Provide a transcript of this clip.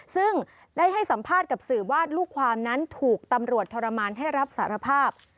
ซึ่งได้ให้สัมภาษณ์กับสื่อว่าลูกความนั้นถูกตำรวจทรมานให้รับสารภาพ